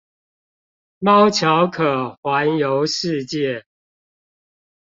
貓巧可環遊世界